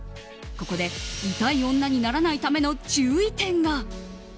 ここで、痛い女にならないための注意点が。